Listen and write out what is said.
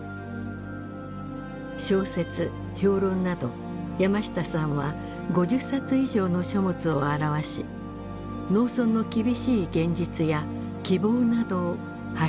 小説評論など山下さんは５０冊以上の書物を著し農村の厳しい現実や希望などを発信し続けてきました。